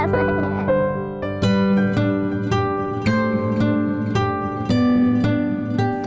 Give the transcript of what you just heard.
ผมเคยวาดรูปพี่ตูนด้วย